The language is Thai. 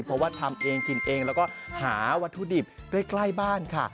เพราะว่าทำเองกินเองแล้วก็หาวัตถุดิบใกล้บ้านค่ะ